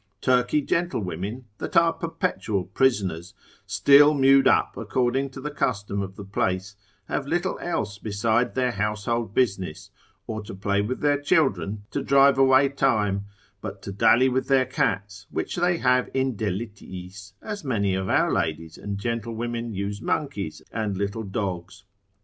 Turkey gentlewomen, that are perpetual prisoners, still mewed up according to the custom of the place, have little else beside their household business, or to play with their children to drive away time, but to dally with their cats, which they have in delitiis, as many of our ladies and gentlewomen use monkeys and little dogs.